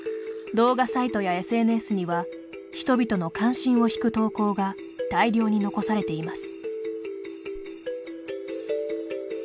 動画サイトやＳＮＳには人々の関心を引く投稿が大量に残されています。